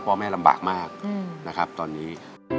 พ่อแม่ลำบากมากนะครับตอนนี้